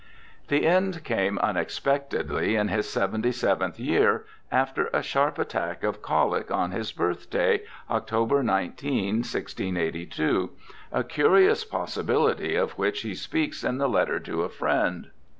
The end came unexpectedly in his seventy seventh year, after a sharp attack of colic, on his birthday, October 19, 1682 — a curious possibility of which he speaks in the Letter to a Friend'.